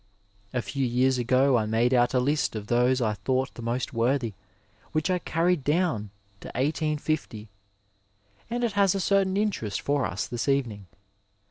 A few years ago I made out a list of those I thought the most worthy which I carried down to 1850, and it has a certain interest for us this evening.